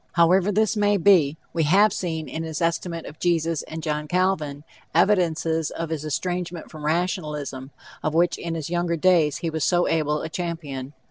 However this may be, we have seen, in his estimate of Jesus and John Calvin, evidences of his estrangement from rationalism, of which in his younger days he was so able a champion.